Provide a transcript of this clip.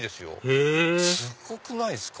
へぇすごくないっすか？